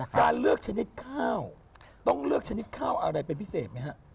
การเลือกชนิดข้าวต้องเลือกชนิดข้าวอะไรเป็นพิเศษไหมฮะ